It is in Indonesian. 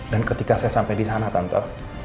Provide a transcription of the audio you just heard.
dan ketika saya sampai disana tante